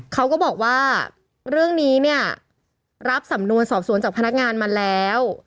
เขาก็บอกว่าเรื่องนี้เนี่ยรับสำนวนสอบสวนจากพนักงานมาแล้ว